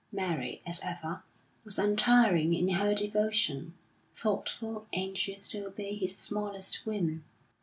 Mary, as ever, was untiring in her devotion, thoughtful, anxious to obey his smallest whim....